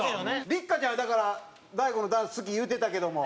六花ちゃんはだから大悟のダンス好き言うてたけども。